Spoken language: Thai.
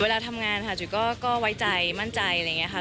เวลาทำงานค่ะจุ๋ยก็ไว้ใจมั่นใจอะไรอย่างนี้ค่ะ